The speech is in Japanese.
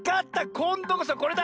こんどこそこれだ！